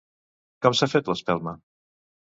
Com s'ha fet l'espelma?